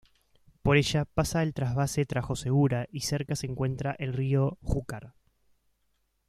Por ella pasa el trasvase Tajo-Segura y cerca se encuentra el río Júcar.